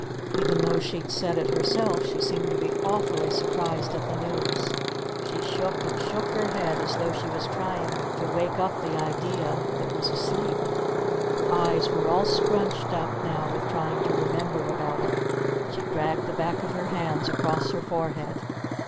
Even though she'd said it herself she seemed to be awfully surprised at the news. She shook and shook her head as though she was trying to wake up the idea that was asleep. Her eyes were all scrunched up now with trying to remember about it. She dragged the back of her hands across her forehead.